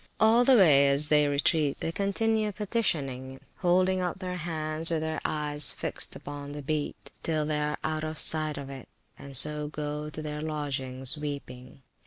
All the way as they retreat they continue petitioning, holding up their hands, with their eyes fixed upon the Beat, till they are out of sight of it; and so go to their lodgings weeping.